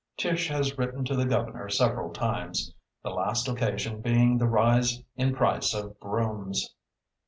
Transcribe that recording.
Tish has written to the governor several times, the last occasion being the rise in price of brooms.